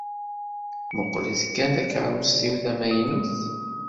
Muqlet kan takeṛṛust-iw tamaynut.